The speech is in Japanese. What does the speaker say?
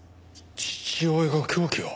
父親が凶器を。